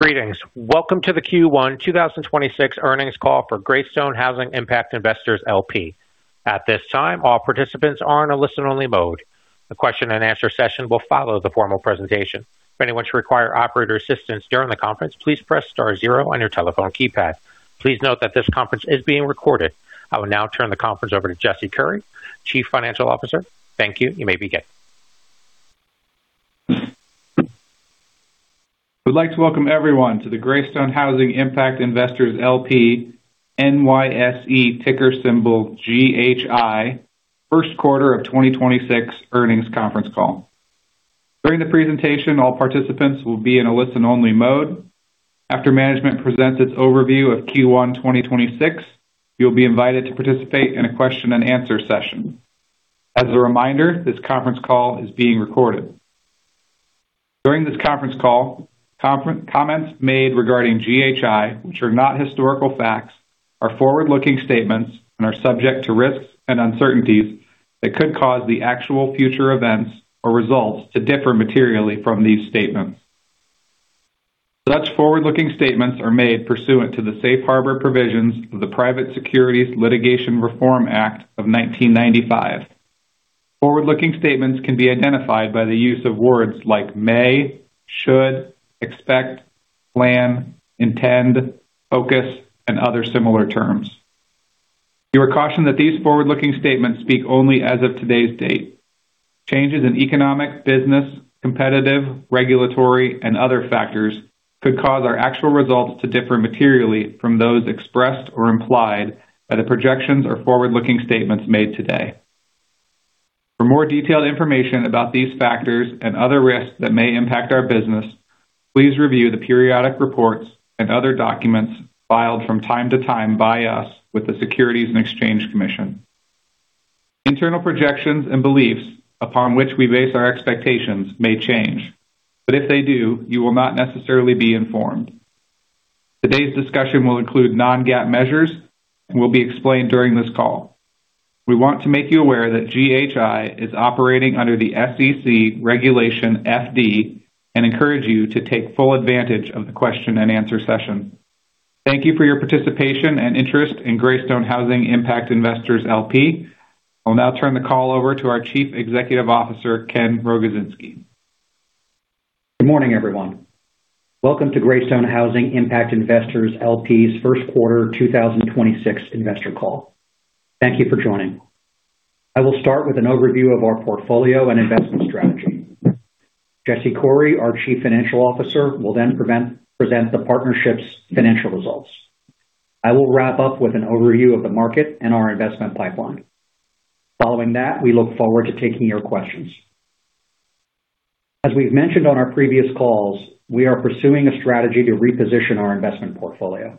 Greetings. Welcome to the Q1 2026 earnings call for Greystone Housing Impact Investors LP. At this time, all participants are in a listen-only mode. The question and answer session will follow the formal presentation. If anyone should require operator assistance during the conference, please press star zero on your telephone keypad. Please note that this conference is being recorded. I will now turn the conference over to Jesse Coury, Chief Financial Officer. Thank you. You may begin. We'd like to welcome everyone to the Greystone Housing Impact Investors LP, NYSE ticker symbol GHI, first quarter of 2026 earnings conference call. During the presentation, all participants will be in a listen-only mode. After management presents its overview of Q1 2026, you'll be invited to participate in a question and answer session. As a reminder, this conference call is being recorded. During this conference call, comments made regarding GHI, which are not historical facts, are forward-looking statements and are subject to risks and uncertainties that could cause the actual future events or results to differ materially from these statements. Such forward-looking statements are made pursuant to the Safe Harbor Provisions of the Private Securities Litigation Reform Act of 1995. Forward-looking statements can be identified by the use of words like may, should, expect, plan, intend, focus, and other similar terms. You are cautioned that these forward-looking statements speak only as of today's date. Changes in economic, business, competitive, regulatory, and other factors could cause our actual results to differ materially from those expressed or implied by the projections or forward-looking statements made today. For more detailed information about these factors and other risks that may impact our business, please review the periodic reports and other documents filed from time to time by us with the Securities and Exchange Commission. Internal projections and beliefs upon which we base our expectations may change, but if they do, you will not necessarily be informed. Today's discussion will include non-GAAP measures and will be explained during this call. We want to make you aware that GHI is operating under the SEC Regulation FD and encourage you to take full advantage of the question and answer session. Thank you for your participation and interest in Greystone Housing Impact Investors LP. I'll now turn the call over to our Chief Executive Officer, Ken Rogozinski. Good morning, everyone. Welcome to Greystone Housing Impact Investors LP's first quarter 2026 investor call. Thank you for joining. I will start with an overview of our portfolio and investment strategy. Jesse Coury, our Chief Financial Officer, will then present the partnership's financial results. I will wrap up with an overview of the market and our investment pipeline. Following that, we look forward to taking your questions. As we've mentioned on our previous calls, we are pursuing a strategy to reposition our investment portfolio.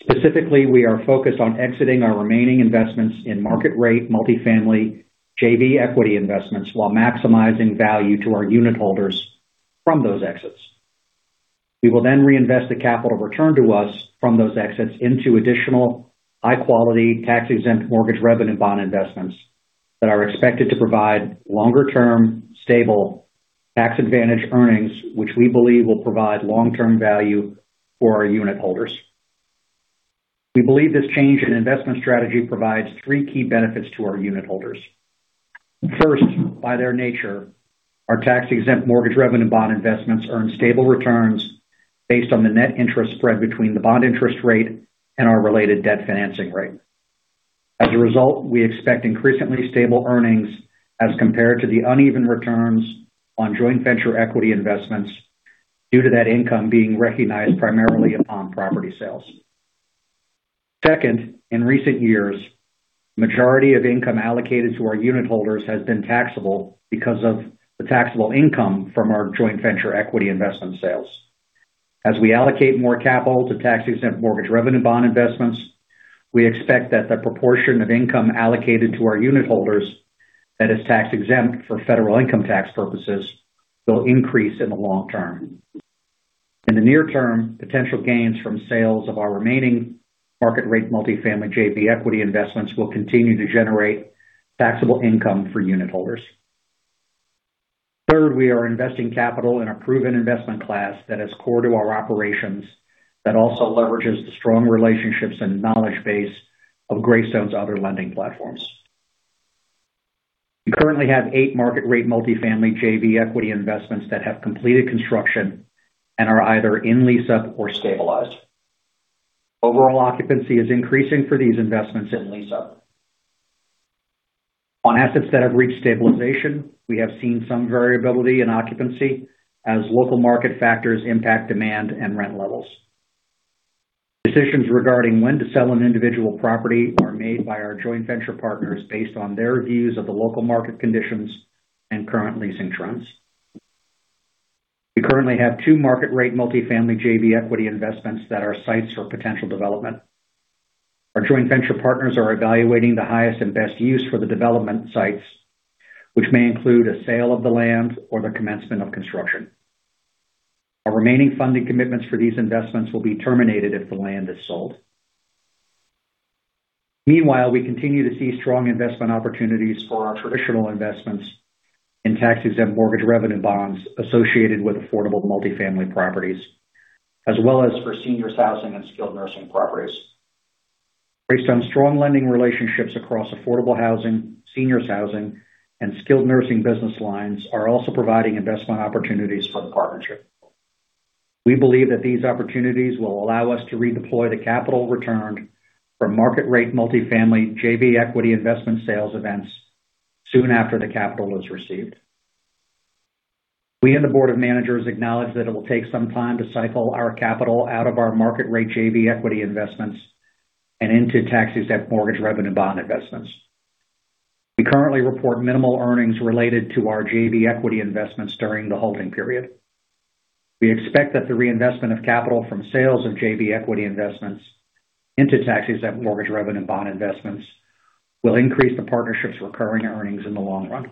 Specifically, we are focused on exiting our remaining investments in market-rate multifamily JV equity investments while maximizing value to our unitholders from those exits. We will then reinvest the capital returned to us from those exits into additional high-quality tax-exempt mortgage revenue bond investments that are expected to provide longer-term, stable tax advantage earnings, which we believe will provide long-term value for our unitholders. We believe this change in investment strategy provides three key benefits to our unitholders. First, by their nature, our tax-exempt mortgage revenue bond investments earn stable returns based on the net interest spread between the bond interest rate and our related debt financing rate. As a result, we expect increasingly stable earnings as compared to the uneven returns on joint venture equity investments due to that income being recognized primarily upon property sales. Second, in recent years, majority of income allocated to our unitholders has been taxable because of the taxable income from our joint venture equity investment sales. As we allocate more capital to tax-exempt Mortgage Revenue Bond investments, we expect that the proportion of income allocated to our unitholders that is tax-exempt for federal income tax purposes will increase in the long term. In the near term, potential gains from sales of our remaining market-rate multifamily JV equity investments will continue to generate taxable income for unitholders. Third, we are investing capital in a proven investment class that is core to our operations that also leverages the strong relationships and knowledge base of Greystone's other lending platforms. We currently have eight market-rate multifamily JV equity investments that have completed construction and are either in lease-up or stabilized. Overall occupancy is increasing for these investments in lease-up. On assets that have reached stabilization, we have seen some variability in occupancy as local market factors impact demand and rent levels. Decisions regarding when to sell an individual property are made by our joint venture partners based on their views of the local market conditions and current leasing trends. We currently have two market-rate multifamily JV equity investments that are sites for potential development. Our joint venture partners are evaluating the highest and best use for the development sites, which may include a sale of the land or the commencement of construction. Our remaining funding commitments for these investments will be terminated if the land is sold. Meanwhile, we continue to see strong investment opportunities for our traditional investments in taxes and mortgage revenue bonds associated with affordable multi-family properties, as well as for seniors housing and skilled nursing properties. Based on strong lending relationships across affordable housing, seniors housing, and skilled nursing business lines are also providing investment opportunities for the partnership. We believe that these opportunities will allow us to redeploy the capital returned from market rate multifamily joint venture equity investment sales events soon after the capital is received. We and the board of managers acknowledge that it will take some time to cycle our capital out of our market rate joint venture equity investments and into tax-exempt Mortgage Revenue Bond investments. We currently report minimal earnings related to our joint venture equity investments during the holding period. We expect that the reinvestment of capital from sales of joint venture equity investments into tax-exempt Mortgage Revenue Bond investments will increase the partnership's recurring earnings in the long run.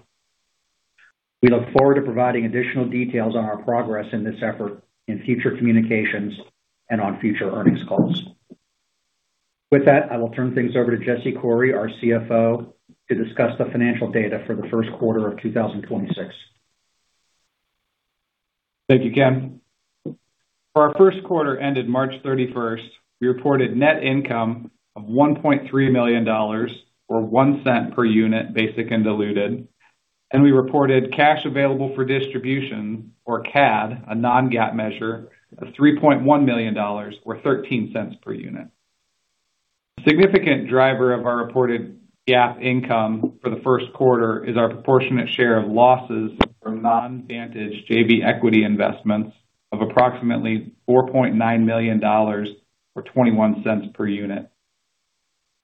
We look forward to providing additional details on our progress in this effort in future communications and on future earnings calls. With that, I will turn things over to Jesse Coury, our CFO, to discuss the financial data for the first quarter of 2026. Thank you, Ken. For our first quarter ended March 31st, we reported net income of $1.3 million or $0.01 per unit, basic and diluted, and we reported cash available for distribution or CAD, a non-GAAP measure of $3.1 million or $0.13 per unit. Significant driver of our reported GAAP income for the first quarter is our proportionate share of losses from non-Vantage JV equity investments of approximately $4.9 million or $0.21 per unit.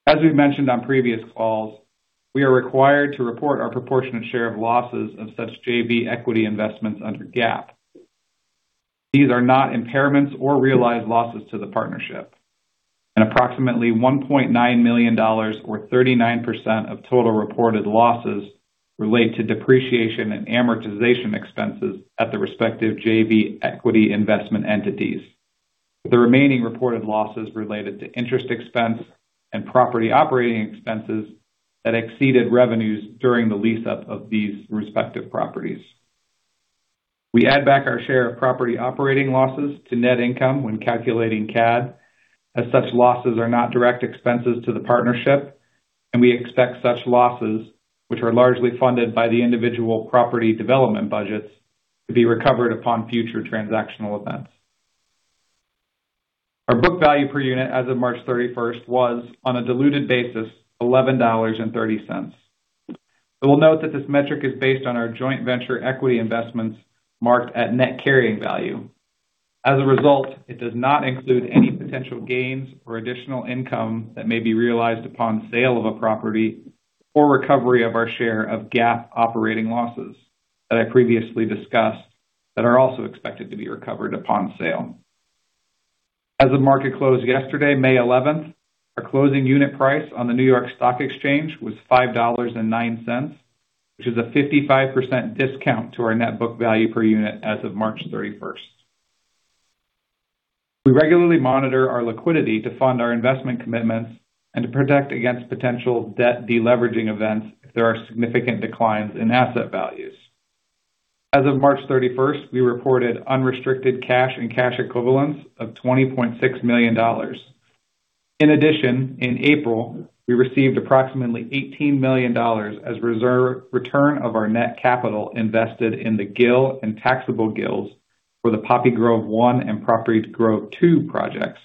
As we've mentioned on previous calls, we are required to report our proportionate share of losses of such JV equity investments under GAAP. These are not impairments or realized losses to the partnership. Approximately $1.9 million or 39% of total reported losses relate to depreciation and amortization expenses at the respective JV equity investment entities. The remaining reported losses related to interest expense and property operating expenses that exceeded revenues during the lease-up of these respective properties. We add back our share of property operating losses to net income when calculating CAD, as such losses are not direct expenses to the partnership, and we expect such losses, which are largely funded by the individual property development budgets, to be recovered upon future transactional events. Our book value per unit as of March 31st was, on a diluted basis, $11.30. We'll note that this metric is based on our joint venture equity investments marked at net carrying value. As a result, it does not include any potential gains or additional income that may be realized upon sale of a property or recovery of our share of GAAP operating losses that I previously discussed that are also expected to be recovered upon sale. As of market close yesterday, May 11th, our closing unit price on the New York Stock Exchange was $5.09, which is a 55% discount to our net book value per unit as of March 31st. We regularly monitor our liquidity to fund our investment commitments and to protect against potential debt deleveraging events if there are significant declines in asset values. As of March 31st, we reported unrestricted cash and cash equivalents of $20.6 million. In addition, in April, we received approximately $18 million as return of our net capital invested in the GIL and taxable GILs for the Poppy Grove I and Poppy Grove II projects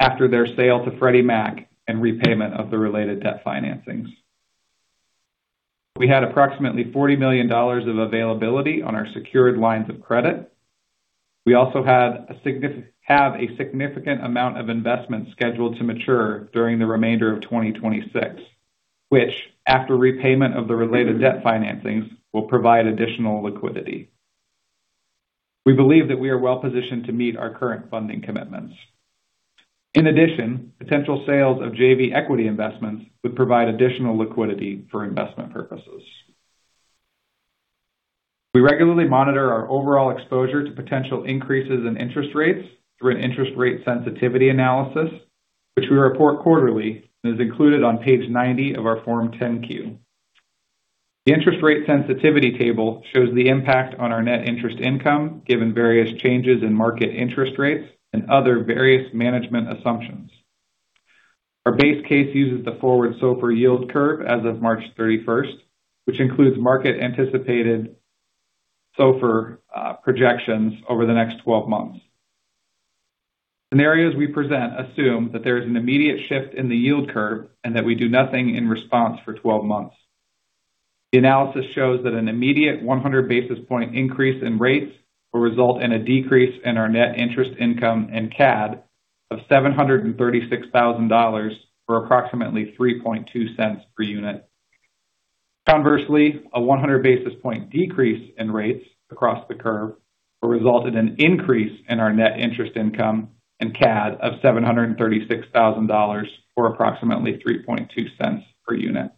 after their sale to Freddie Mac and repayment of the related debt financings. We had approximately $40 million of availability on our secured lines of credit. We also have a significant amount of investment scheduled to mature during the remainder of 2026, which, after repayment of the related debt financings, will provide additional liquidity. We believe that we are well-positioned to meet our current funding commitments. In addition, potential sales of JV equity investments would provide additional liquidity for investment purposes. We regularly monitor our overall exposure to potential increases in interest rates through an interest rate sensitivity analysis, which we report quarterly and is included on page 90 of our Form 10-Q. The interest rate sensitivity table shows the impact on our net interest income given various changes in market interest rates and other various management assumptions. Our base case uses the forward SOFR yield curve as of March 31st, which includes market-anticipated SOFR projections over the next 12 months. Scenarios we present assume that there is an immediate shift in the yield curve and that we do nothing in response for 12 months. The analysis shows that an immediate 100 basis point increase in rates will result in a decrease in our net interest income and CAD of $736,000, or approximately $0.032 per unit. Conversely, a 100 basis point decrease in rates across the curve will result in an increase in our net interest income and CAD of $736,000, or approximately $0.032 per unit.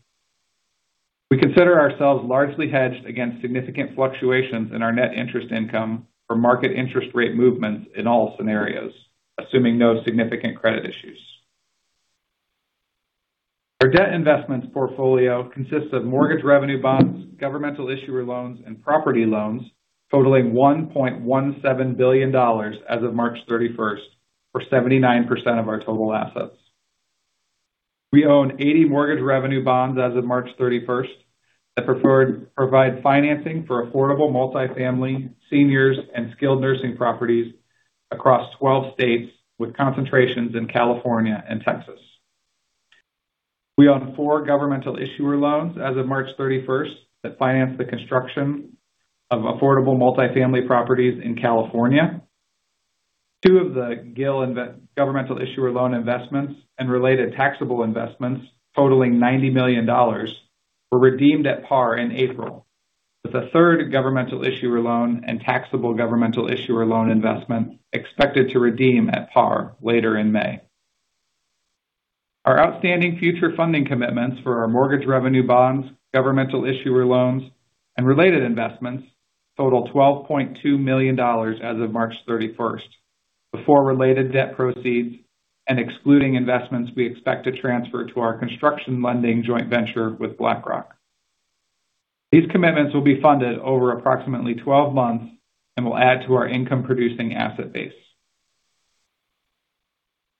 We consider ourselves largely hedged against significant fluctuations in our net interest income for market interest rate movements in all scenarios, assuming no significant credit issues. Our debt investments portfolio consists of Mortgage Revenue Bonds, governmental issuer loans, and property loans totaling $1.17 billion as of March 31st, for 79% of our total assets. We own 80 Mortgage Revenue Bonds as of March thirty-first, that preferred provide financing for affordable multifamily seniors and skilled nursing properties across 12 states, with concentrations in California and Texas. We own four governmental issuer loans as of March 31st that finance the construction of affordable multifamily properties in California. Two of the GIL governmental issuer loan investments and related taxable investments totaling $90 million were redeemed at par in April, with a third governmental issuer loan and taxable governmental issuer loan investment expected to redeem at par later in May. Our outstanding future funding commitments for our Mortgage Revenue Bonds, governmental issuer loans, and related investments total $12.2 million as of March 31st, before related debt proceeds and excluding investments we expect to transfer to our construction lending joint venture with BlackRock. These commitments will be funded over approximately 12 months and will add to our income-producing asset base.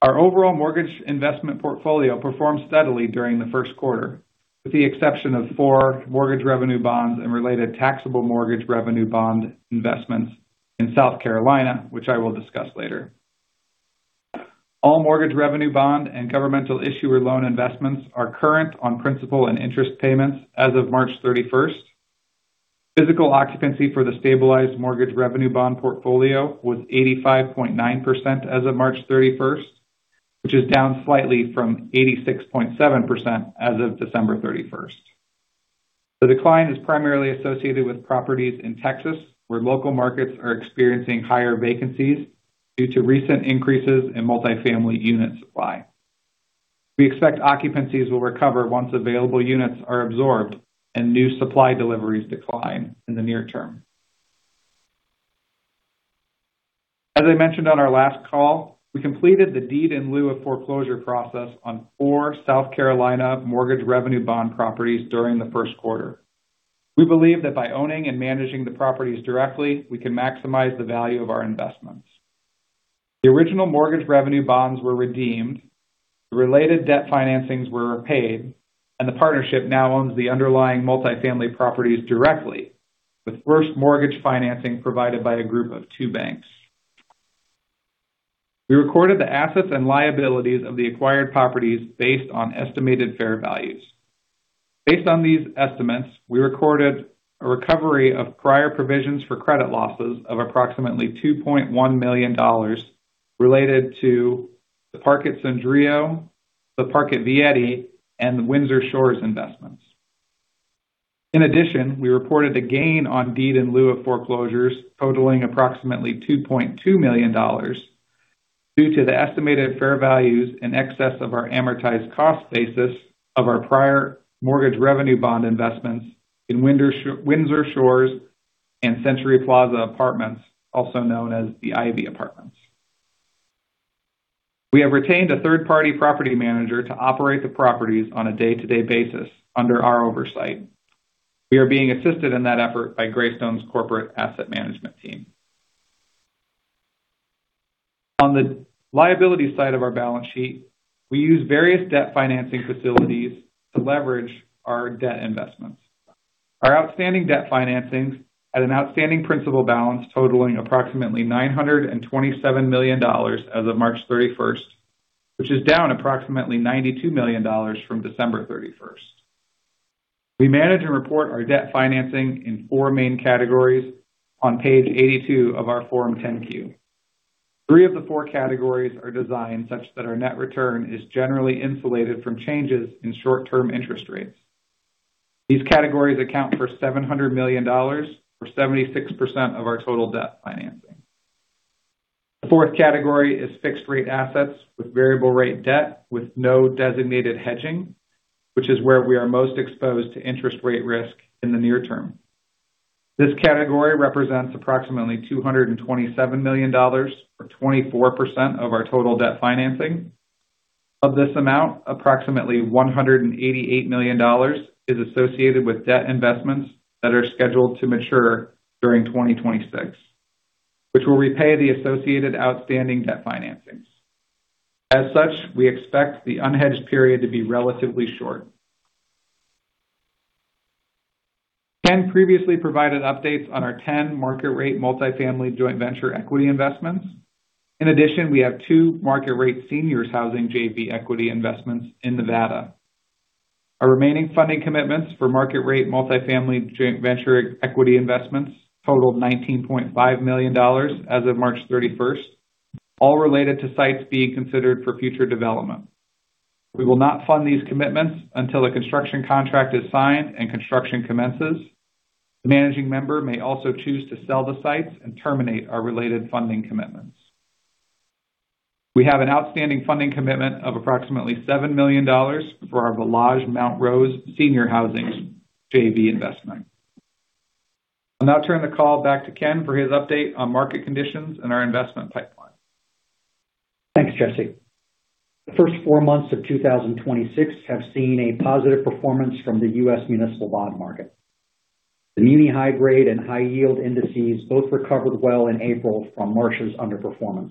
Our overall mortgage investment portfolio performed steadily during the first quarter, with the exception of four Mortgage Revenue Bonds and related taxable Mortgage Revenue Bond investments in South Carolina, which I will discuss later. All Mortgage Revenue Bond and governmental issuer loans investments are current on principal and interest payments as of March 31st. Physical occupancy for the stabilized Mortgage Revenue Bond portfolio was 85.9% as of March 31st, which is down slightly from 86.7% as of December 31st. The decline is primarily associated with properties in Texas, where local markets are experiencing higher vacancies due to recent increases in multifamily unit supply. We expect occupancies will recover once available units are absorbed and new supply deliveries decline in the near term. As I mentioned on our last call, we completed the deed in lieu of foreclosure process on four South Carolina Mortgage Revenue Bond properties during the first quarter. We believe that by owning and managing the properties directly, we can maximize the value of our investments. The original mortgage revenue bonds were redeemed, the related debt financings were paid, and the partnership now owns the underlying multifamily properties directly, with first mortgage financing provided by a group of two banks. We recorded the assets and liabilities of the acquired properties based on estimated fair values. Based on these estimates, we recorded a recovery of prior provisions for credit losses of approximately $2.1 million related to The Park at Sondrio, The Park at Viale, and the Windsor Shores investments. In addition, we reported a gain on deed in lieu of foreclosure totaling approximately $2.2 million due to the estimated fair values in excess of our amortized cost basis of our prior Mortgage Revenue Bond investments in Windsor Shores and Century Plaza Apartments, also known as The Ivy Apartments. We have retained a third-party property manager to operate the properties on a day-to-day basis under our oversight. We are being assisted in that effort by Greystone's corporate asset management team. On the liability side of our balance sheet, we use various debt financing facilities to leverage our debt investments. Our outstanding debt financings had an outstanding principal balance totaling approximately $927 million as of March 31st, which is down approximately $92 million from December 31st. We manage and report our debt financing in four main categories on page 82 of our Form 10-Q. 3 of the 4 categories are designed such that our net return is generally insulated from changes in short-term interest rates. These categories account for $700 million, or 76% of our total debt financing. The fourth category is fixed-rate assets with variable rate debt with no designated hedging, which is where we are most exposed to interest rate risk in the near term. This category represents approximately $227 million, or 24% of our total debt financing. Of this amount, approximately $188 million is associated with debt investments that are scheduled to mature during 2026, which will repay the associated outstanding debt financings. As such, we expect the unhedged period to be relatively short. Ken previously provided updates on our 10 market rate multifamily joint venture equity investments. In addition, we have two market rate seniors housing JV equity investments in Nevada. Our remaining funding commitments for market rate multifamily joint venture equity investments totaled $19.5 million as of March 31st, all related to sites being considered for future development. We will not fund these commitments until a construction contract is signed and construction commences. The managing member may also choose to sell the sites and terminate our related funding commitments. We have an outstanding funding commitment of approximately $7 million for our Valage Senior Living Mt. Rose JV investment. I'll now turn the call back to Ken for his update on market conditions and our investment pipeline. Thanks, Jesse. The first four months of 2026 have seen a positive performance from the U.S. municipal bond market. The muni high-grade and high yield indices both recovered well in April from March's underperformance.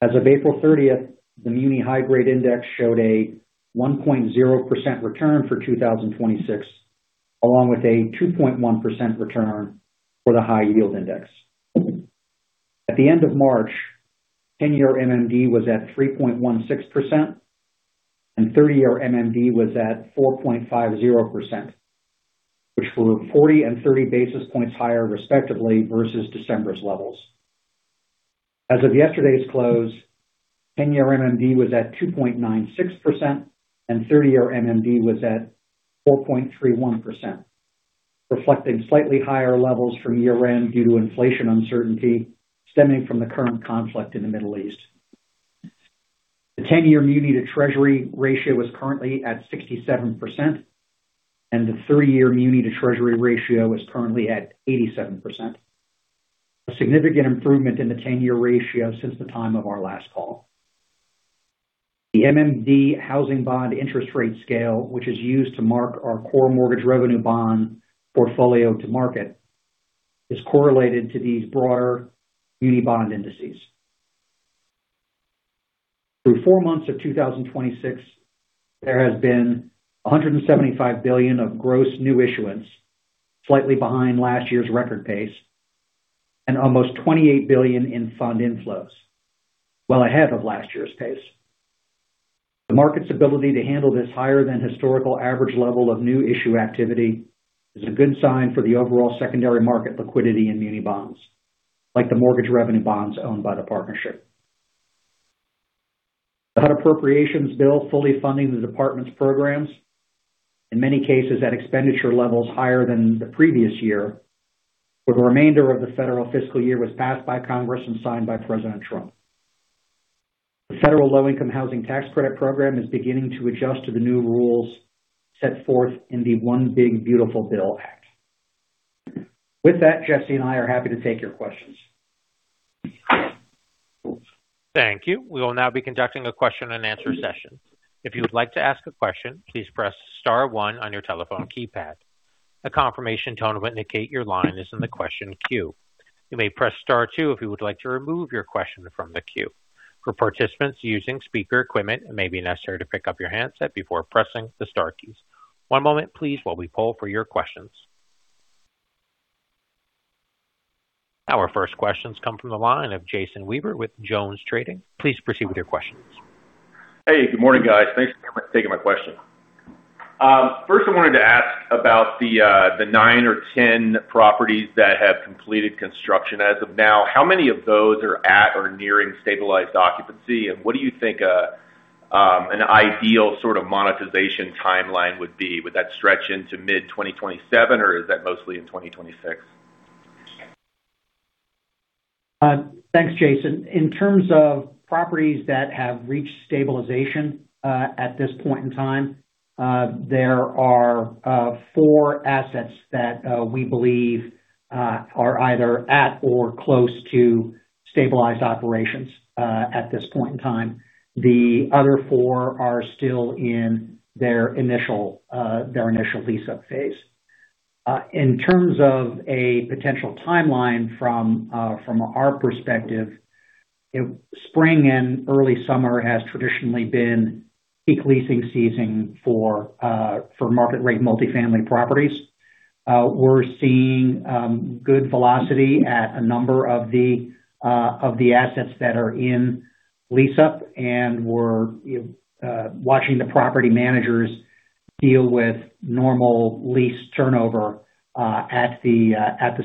As of April 30th, the muni high-grade index showed a 1.0% return for 2026, along with a 2.1% return for the high yield index. At the end of March, 10-year MMD was at 3.16%, and 30-year MMD was at 4.50%, which were 40 and 30 basis points higher respectively versus December's levels. As of yesterday's close, 10-year MMD was at 2.96%, and 30-year MMD was at 4.31%, reflecting slightly higher levels from year-end due to inflation uncertainty stemming from the current conflict in the Middle East. The 10-year muni-to-Treasury ratio is currently at 67%, and the 30-year muni-to-Treasury ratio is currently at 87%. A significant improvement in the 10-year ratio since the time of our last call. The MMD housing bond interest rate scale, which is used to mark our core Mortgage Revenue Bond portfolio to market, is correlated to these broader muni bond indices. Through four months of 2026, there has been $175 billion of gross new issuance, slightly behind last year's record pace, and almost $28 billion in fund inflows, well ahead of last year's pace. The market's ability to handle this higher than historical average level of new issue activity is a good sign for the overall secondary market liquidity in muni bonds, like the Mortgage Revenue Bonds owned by the partnership. The HUD appropriations bill fully funding the department's programs, in many cases at expenditure levels higher than the previous year, for the remainder of the federal fiscal year was passed by Congress and signed by President Trump. The Federal Low-Income Housing Tax Credit Program is beginning to adjust to the new rules set forth in the One Big Beautiful Bill Act. With that, Jesse and I are happy to take your questions. Thank you. We will now be conducting a question and answer session. If you would like to ask a question, please press star one on your telephone keypad. A confirmation tone will indicate your line is in the question queue. You may press star two if you would like to remove your question from the queue for participants using speaker equipment, maybe necessary to pick up your handset before pressing the starkeys one moment please? While we pulled for your questions. Our first questions come from the line of Jason Stewart with JonesTrading. Please proceed with your questions. Hey, good morning, guys. Thanks for taking my question. First I wanted to ask about the 9 or 10 properties that have completed construction as of now. How many of those are at or nearing stabilized occupancy, and what do you think an ideal sort of monetization timeline would be? Would that stretch into mid 2027 or is that mostly in 2026? Thanks, Jason. In terms of properties that have reached stabilization, at this point in time, there are four assets that we believe are either at or close to stabilized operations, at this point in time. The other four are still in their initial, their initial lease-up phase. In terms of a potential timeline from our perspective, spring and early summer has traditionally been peak leasing season for market rate multifamily properties. We're seeing good velocity at a number of the assets that are in lease-up, and we're, you know, watching the property managers deal with normal lease turnover at the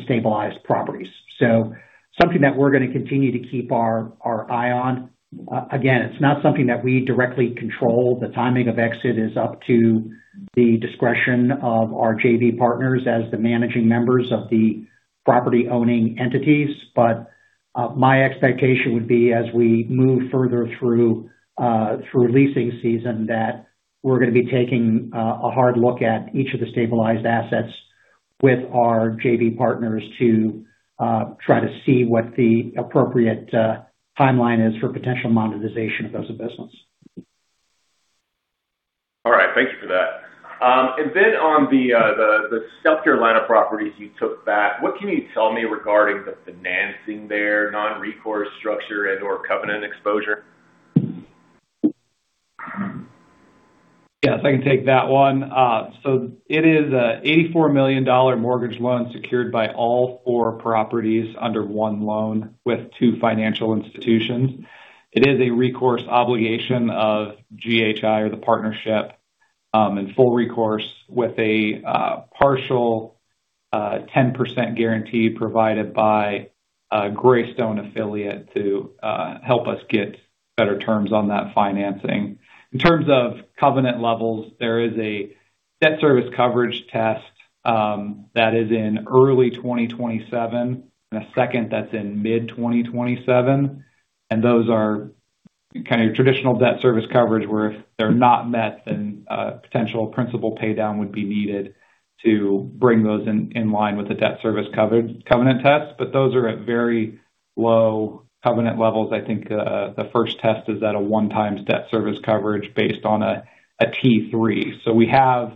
stabilized properties. Something that we're going to continue to keep our eye on. Again, it's not something that we directly control. The timing of exit is up to the discretion of our JV partners as the managing members of the property-owning entities. My expectation would be as we move further through leasing season, that we're going to be taking a hard look at each of the stabilized assets with our JV partners to try to see what the appropriate timeline is for potential monetization of those business. All right. Thank you for that. On the South Carolina of properties you took back, what can you tell me regarding the financing there, non-recourse structure and/or covenant exposure? Yes, I can take that one. It is a $84 million mortgage loan secured by all four properties under one loan with two financial institutions. It is a recourse obligation of GHI or the partnership, full recourse with a partial 10% guarantee provided by a Greystone affiliate to help us get better terms on that financing. In terms of covenant levels, there is a Debt service coverage test that is in early 2027, a second that's in mid-2027. Those are kind of your traditional debt service coverage, where if they're not met, then potential principal pay down would be needed to bring those in line with the debt service covenant test. Those are at very low covenant levels. I think the first test is at a 1 times debt service coverage based on a T3. We have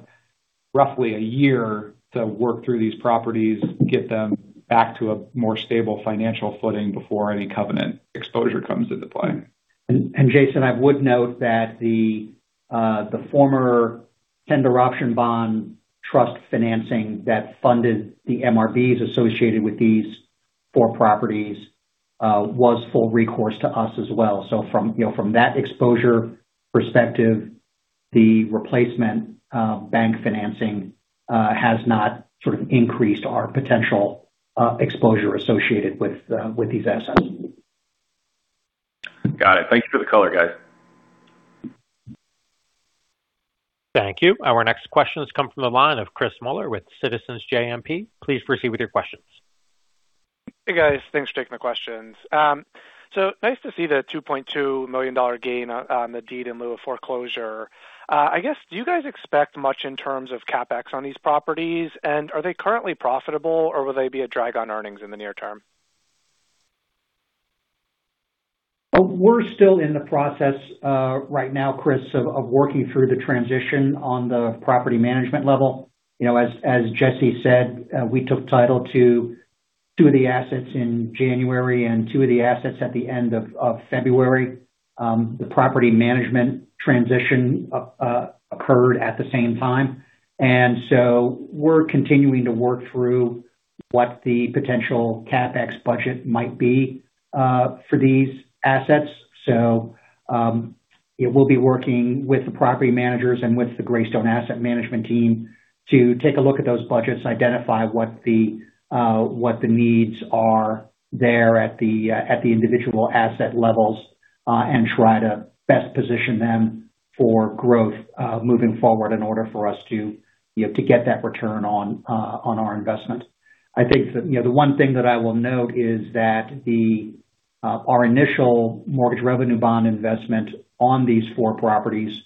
roughly a year to work through these properties, get them back to a more stable financial footing before any covenant exposure comes into play. Jason, I would note that the former Tender Option Bond Trust financing that funded the MRBs associated with these four properties was full recourse to us as well. From, you know, from that exposure perspective, the replacement bank financing has not sort of increased our potential exposure associated with these assets. Got it. Thank you for the color, guys. Thank you. Our next question has come from the line of Chris Muller with Citizens JMP. Please proceed with your questions. Hey, guys. Thanks for taking my questions. Nice to see the $2.2 million gain on the deed in lieu of foreclosure. Do you guys expect much in terms of CapEx on these properties? Are they currently profitable, or will they be a drag on earnings in the near term? We're still in the process right now, Chris, of working through the transition on the property management level. You know, as Jesse said, we took title to two of the assets in January and two of the assets at the end of February. The property management transition occurred at the same time. We're continuing to work through what the potential CapEx budget might be for these assets. We'll be working with the property managers and with the Greystone asset management team to take a look at those budgets, identify what the needs are there at the individual asset levels, and try to best position them for growth moving forward in order for us to, you know, to get that return on our investment. I think that, you know, the one thing that I will note is that our initial mortgage revenue bond investment on these four properties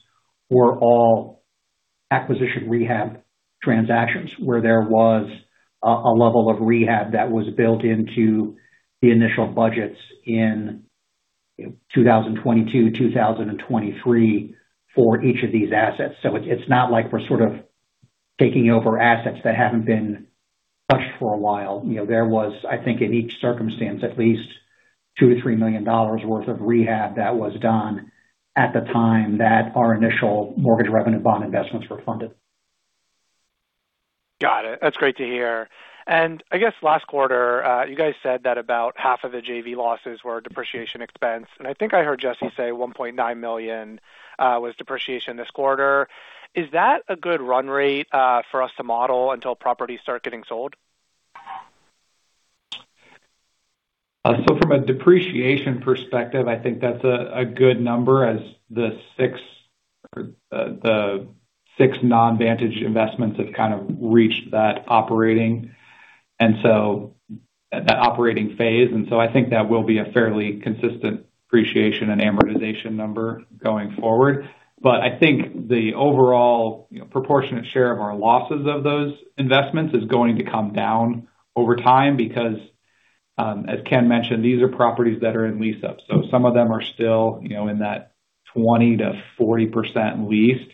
were all acquisition rehab transactions, where there was a level of rehab that was built into the initial budgets in 2022, 2023 for each of these assets. It's not like we're sort of taking over assets that haven't been touched for a while. You know, there was, I think, in each circumstance, at least $2 million-$3 million worth of rehab that was done at the time that our initial mortgage revenue bond investments were funded. Got it. That's great to hear. I guess last quarter, you guys said that about half of the JV losses were depreciation expense, and I think I heard Jesse say $1.9 million was depreciation this quarter. Is that a good run rate for us to model until properties start getting sold? From a depreciation perspective, I think that's a good number as the six non-Vantage investments have kind of reached that operating phase. I think that will be a fairly consistent depreciation and amortization number going forward. I think the overall, you know, proportionate share of our losses of those investments is going to come down over time because, as Ken mentioned, these are properties that are in lease up. Some of them are still, you know, in that 20%-40% leased.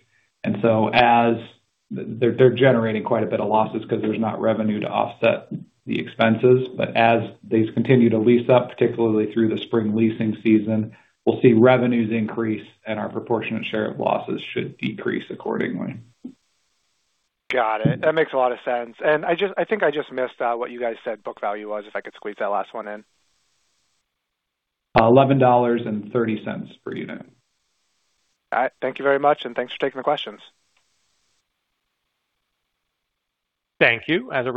They're generating quite a bit of losses because there's not revenue to offset the expenses. As these continue to lease up, particularly through the spring leasing season, we'll see revenues increase, and our proportionate share of losses should decrease accordingly. Got it. That makes a lot of sense. I think I just missed what you guys said book value was, if I could squeeze that last one in. $11.30 per unit. All right. Thank you very much, and thanks for taking the questions. Thank you. We have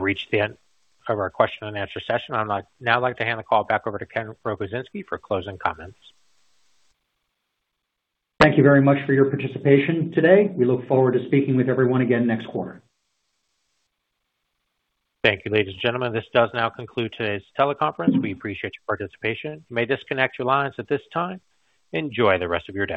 reached the end of our question and answer session. Now I'd like to hand the call back over to Ken Rogozinski for closing comments. Thank you very much for your participation today. We look forward to speaking with everyone again next quarter. Thank you, ladies and gentlemen, this does now conclude today's teleconference. We appreciate your participation. You may disconnect your lines at this time. Enjoy the rest of your day.